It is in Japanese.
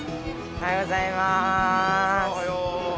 おはようございます。